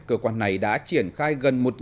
cơ quan này đã triển khai gần một